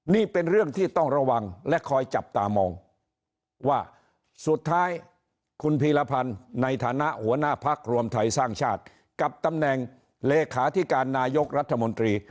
นี่เป็นเรื่องที่ต้องระวังและคอยจับตามองว่าสุดท้ายคุณพีรพันธ์ในฐานะหัวหน้าพักรวมไทยสร้างชาติกับตำแหน่งเลขาธิการนายกรัฐมนตรี